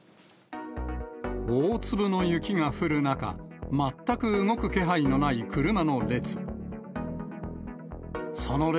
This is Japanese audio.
大粒の雪が降る中、全く動く気配のない車の列。